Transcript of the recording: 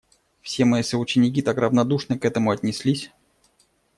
Все мои соученики так равнодушно к этому отнеслись.